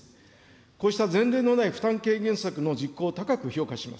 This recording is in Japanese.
こうした前例のない負担軽減策の実行を高く評価します。